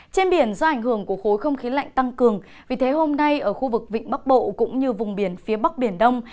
trên biển do ảnh hưởng của khối không khí lạnh tăng cường vì thế hôm nay ở khu vực vịnh bắc bộ cũng như vùng biển phía bắc biển đông